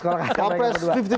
pak wawapres lima puluh lima puluh